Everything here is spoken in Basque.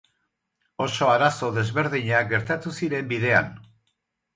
Oso arazo desberdinak gertatu ziren bidean.